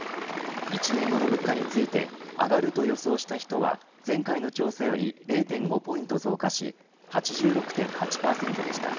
１年後の物価について上がると予想した人は前回の調査より０．５ポイント増加し８６．８％でした。